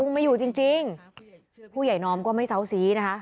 ไม่อยู่จริงผู้ใหญ่นอมก็ไม่เซาซีนะคะ